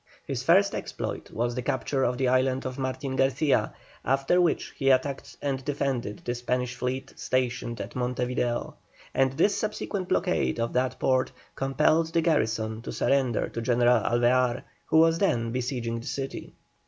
His first exploit was the capture of the island of Martin Garcia, after which he attacked and defeated the Spanish fleet stationed at Monte Video; and his subsequent blockade of that port compelled the garrison to surrender to General Alvear, who was then besieging the city.